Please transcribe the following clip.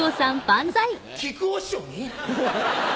木久扇師匠に？